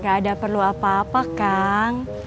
gak ada perlu apa apa kang